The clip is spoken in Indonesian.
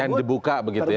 yang dibuka begitu ya